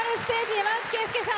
山内惠介さん